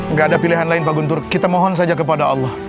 nggak ada pilihan lain pak guntur kita mohon saja kepada allah